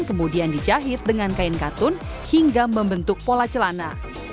kemudian dijahit dengan kain katun hingga membentuk pola celana